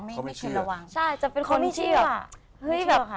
ไม่เคยระวังเขาไม่เชื่อ